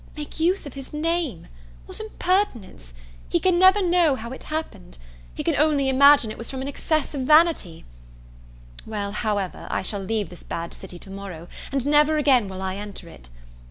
Make use of his name! what impertinence he can never know how it happened, he can only imagine it was from an excess of vanity; well, however, I shall leave this bad city to morrow, and never again will I enter it.